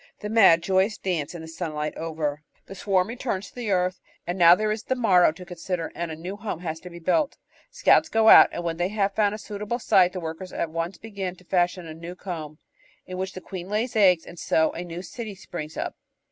The mad, joyous dance in the sunlight over, the swarm 526 The Outline of Science returns to earth, and now there is the morrow to consider and a new home has to be built. Scouts go out, and when they have found a suitable site the workers at once begin to fashion a new comb, in which the queen lays eggs, and so a new city springs up.